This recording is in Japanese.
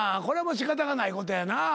これもうしかたがないことやな。